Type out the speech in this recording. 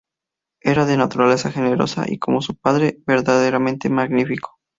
Era de naturaleza generosa y, como su padre, verdaderamente magnífico"".